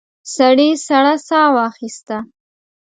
سړي سړه ساه واخيسته.